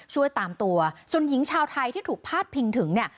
ช่วยตามตัวส่วนหญิงชาวไทยที่ถูกพาดพิงถึงเนี่ย